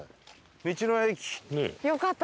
道の駅。